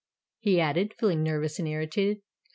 he added, feeling nervous and irritated.